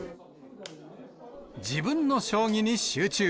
自分の将棋に集中。